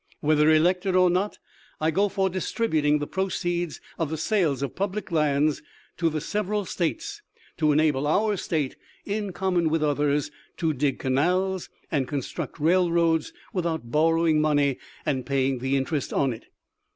Whether elected or not, I go for distributing the proceeds of the sales of public lands to the several States to enable our State, in common with others, to dig canals and construct railroads without bor rowing money aad paying the interest on it.